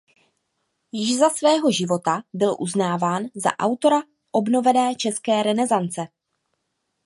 Již za svého života byl uznáván za autora obnovené české renesance.